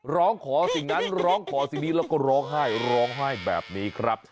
ร้องขอสิ่งนั้นร้องขอสิ่งนี้แล้วก็ร้องไห้ร้องไห้แบบนี้ครับ